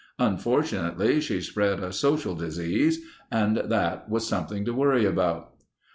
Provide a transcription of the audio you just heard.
Unfortunately she spread a social disease and that was something to worry about.